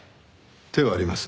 手はあります。